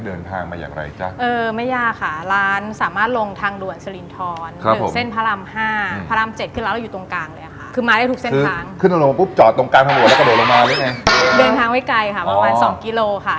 เดินทางไม่ไกลค่ะประมาณ๒กิโลกรัมค่ะ